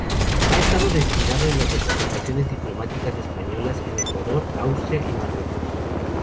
Ha estado destinado en las representaciones diplomáticas españolas en Ecuador, Austria y Marruecos.